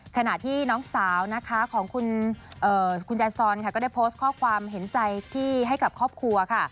ขณะที่น้องสาวนะคะของคุณแจซอนค่ะก็ได้โพสต์ข้อความเห็นใจที่ให้กับครอบครัวค่ะ